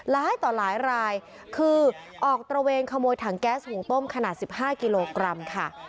ต่อหลายรายคือออกตระเวนขโมยถังแก๊สหุงต้มขนาด๑๕กิโลกรัมค่ะ